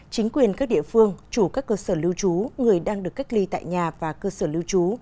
chính quyền các địa phương chủ các cơ sở lưu trú người đang được cách ly tại nhà và cơ sở lưu trú